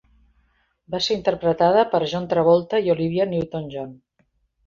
Va ser interpretada per John Travolta i Olivia Newton-John.